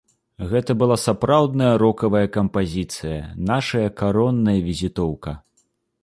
Гэта была сапраўдная рокавая кампазіцыя, нашая каронная візітоўка.